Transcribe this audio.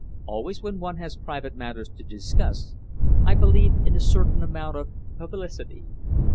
Always when one has private matters to discuss, I believe in a certain amount of publicity.